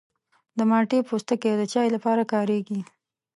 د مالټې پوستکی د چای لپاره کارېږي.